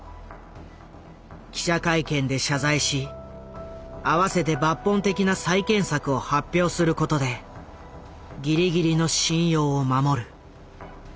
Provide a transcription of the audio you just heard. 記者会見で謝罪し併せて抜本的な再建策を発表することでギリギリの信用を守る。